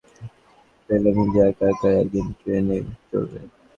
তারপর থেকে সুমন ভেবেছে সুযোগ পেলে নিজে একা একাই একদিন ট্রেনে চড়বে।